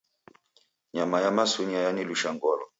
Nyama ya masunya yanilusha ngolo.